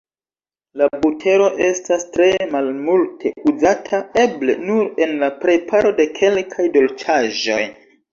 La butero estas tre malmulte uzata, eble nur en la preparo de kelkaj dolĉaĵoj.